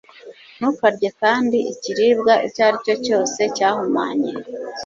ntukarye kandi ikiribwa icyo ari cyo cyose cyahumanye